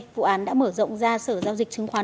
vụ án đã mở rộng ra sở giao dịch chứng khoán